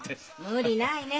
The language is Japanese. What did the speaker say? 無理ないね。